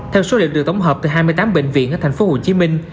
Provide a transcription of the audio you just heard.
theo số liệu được tổng hợp từ hai mươi tám bệnh viện ở thành phố hồ chí minh